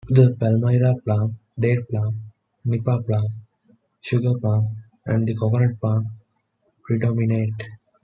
The Palmyra palm; date palm; nipa palm; sugar palm; and the coconut palm predominate.